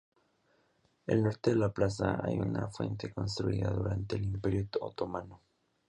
En el norte de la plaza, hay una fuente construida durante el imperio otomano.